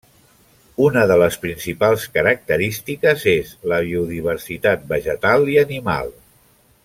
Una de les principals característiques és la biodiversitat vegetal i animal.